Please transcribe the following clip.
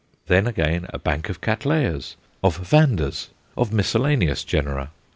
Then again a bank of Cattleyas, of Vandas, of miscellaneous genera.